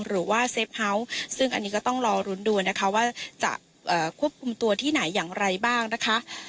หรือว่าเซฟเฮาส์ซึ่งอันนี้ก็ต้องรอรุ้นดูนะคะว่าจะควบคุมตัวที่ไหนอย่างไรบ้างนะคะ